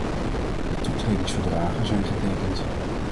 De toetredingsverdragen zijn getekend.